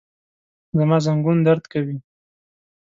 زما زنګون درد کوي